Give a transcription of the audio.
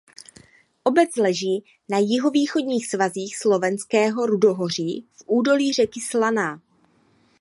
Obec leží na jihovýchodních svazích Slovenského Rudohoří v údolí řeky Slaná.